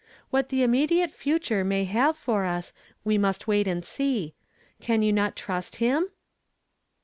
What the immediate future may iiave for us, we must wait and see. Can you not trust him?